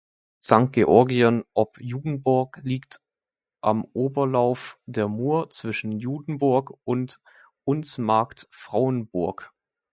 Sankt Georgen ob Judenburg liegt am Oberlauf der Mur, zwischen Judenburg und Unzmarkt-Frauenburg.